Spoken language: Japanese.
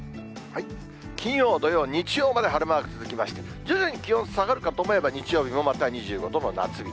金曜、土曜、日曜まで晴れマーク続きまして、徐々に気温下がるかと思えば、日曜日もまた２５度の夏日。